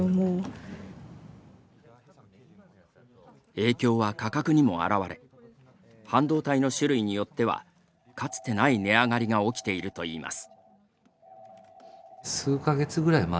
影響は価格にも表れ半導体の種類によってはかつてない値上がりが起きているといいます。